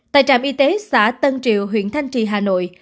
trạm y tế xã tân triệu huyện thanh trì hà nội